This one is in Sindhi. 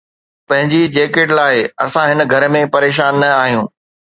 پنھنجي جيڪٽ لاھي، اسان ھن گھر ۾ پريشان نه آھيون